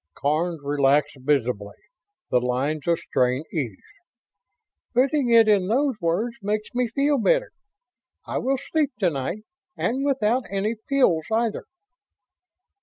Karns relaxed visibly; the lines of strain eased. "Putting it in those words makes me feel better. I will sleep to night and without any pills, either."